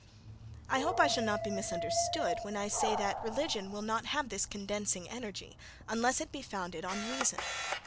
I hope I shall not be misunderstood when I say, that religion will not have this condensing energy, unless it be founded on reason.